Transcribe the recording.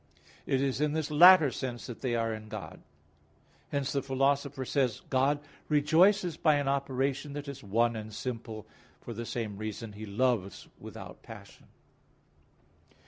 It is in this latter sense that they are in God. Hence the Philosopher says (Ethic. vii): "God rejoices by an operation that is one and simple," and for the same reason He loves without passion.